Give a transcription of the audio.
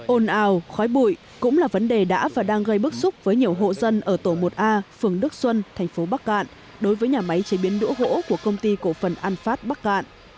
ồn ào khói bụi cũng là vấn đề đã và đang gây bức xúc với nhiều hộ dân ở tổ một a phường đức xuân thành phố bắc cạn đối với nhà máy chế biến đũa gỗ của công ty cổ phần an phát bắc cạn